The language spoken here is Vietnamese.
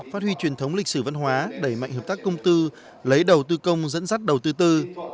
phát huy truyền thống lịch sử văn hóa đẩy mạnh hợp tác công tư lấy đầu tư công dẫn dắt đầu tư tư